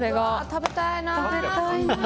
食べたいな！